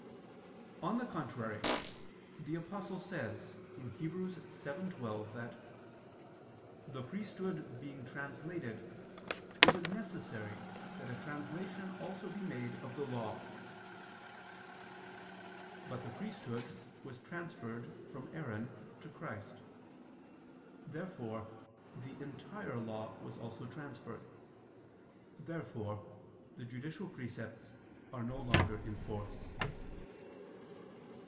On the contrary, The Apostle says (Heb. 7:12) that "the priesthood being translated it is necessary that a translation also be made of the Law." But the priesthood was transferred from Aaron to Christ. Therefore the entire Law was also transferred. Therefore the judicial precepts are no longer in force.